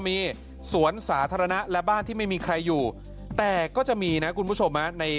มีสวนสาธารณะและบ้านที่ไม่มีใครอยู่แต่ก็จะมีนะคุณผู้ชมใน